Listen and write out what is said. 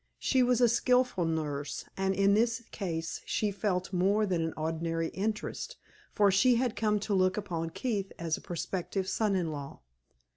She was a skillful nurse, and in this case she felt more than an ordinary interest, for she had come to look upon Keith as a prospective son in law.